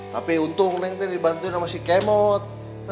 tapi untung neng tuh yang dibantuin sama si kemot